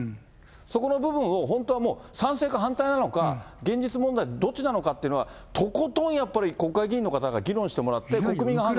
そこの部分を本当はもう、賛成か反対なのか、現実問題、どっちなのかっていうのは、とことんやっぱり国会議員の方々に議論してもらって、国民が。